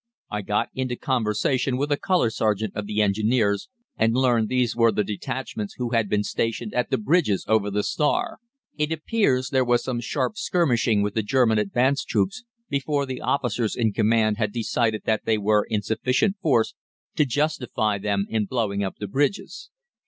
I got into conversation with a colour sergeant of the Engineers, and learned these were the detachments who had been stationed at the bridges over the Stour. It appears there was some sharp skirmishing with the German advance troops before the officers in command had decided that they were in sufficient force to justify them in blowing up the bridges.